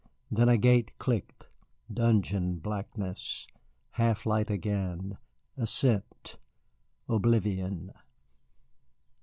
Then a gate clicked, dungeon blackness, half light again, ascent, oblivion.